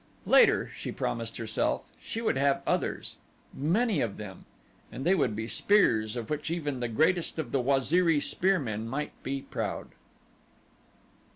Later, she promised herself, she should have others many of them and they would be spears of which even the greatest of the Waziri spear men might be proud.